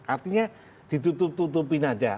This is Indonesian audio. artinya ditutup tutupin saja